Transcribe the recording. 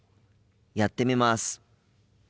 やってみます。